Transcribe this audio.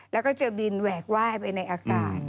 แล้วก็เจอบินแหวกไหว้ไปในอากาศ